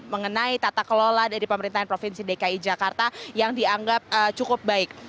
mengenai tata kelola dari pemerintahan provinsi dki jakarta yang dianggap cukup baik